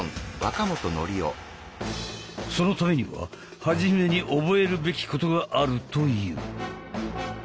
そのためには初めに覚えるべきことがあるという。